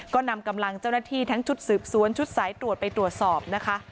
ก็นำกำลังเจ้าหน้าที่ทั้งชุดสืบสวนชุดสายตรวจไปตรวจสอบนะคะ